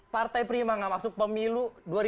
partai prima gak masuk pemilu